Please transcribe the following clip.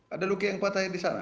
ada luki yang patahnya di sana